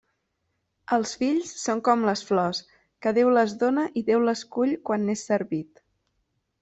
Els fills són com les flors, que Déu les dóna i Déu les cull quan n'és servit.